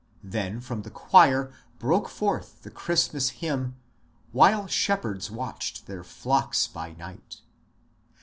Then from the choir broke forth the Christmas hymn, ^^ While shepherds watched their flocks by night.''